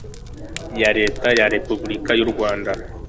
YA LETA YA REPUBULIKA Y U RWANDA